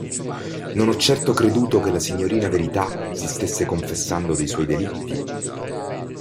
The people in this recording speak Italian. Non ho certo creduto che la signorina Verità si stesse confessando dei suoi delitti!